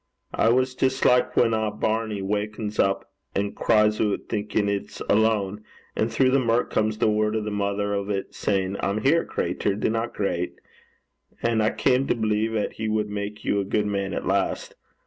It was jist like whan a bairnie waukens up an' cries oot, thinkin' it's its lane, an' through the mirk comes the word o' the mither o' 't, sayin', "I'm here, cratur: dinna greit." And I cam to believe 'at he wad mak you a good man at last.